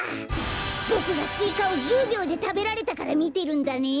ボクがスイカを１０びょうでたべられたからみてるんだね？